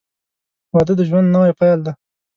• واده د ژوند نوی پیل دی.